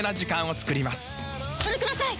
それください！